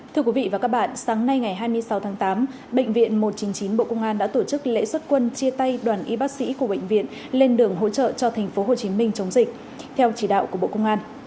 thưa quý vị và các bạn sáng nay ngày hai mươi sáu tháng tám bệnh viện một trăm chín mươi chín bộ công an đã tổ chức lễ xuất quân chia tay đoàn y bác sĩ của bệnh viện lên đường hỗ trợ cho tp hcm chống dịch theo chỉ đạo của bộ công an